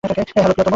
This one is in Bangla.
হ্যালো, প্রিয়তম।